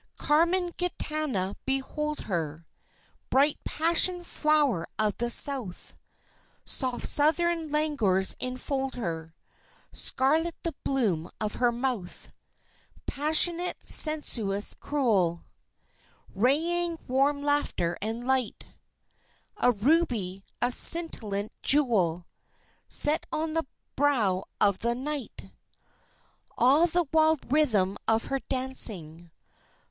Carmen Gitana, behold her! Bright passion flower of the South; Soft Southern languors enfold her, Scarlet the bloom of her mouth; Passionate, sensuous, cruel, Raying warm laughter and light, A ruby a scintillant jewel Set on the brow of the Night! Ah, the wild rhythm of her dancing!